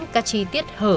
các chi tiết hở